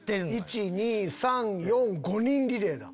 １・２・３・４・５人リレーだ。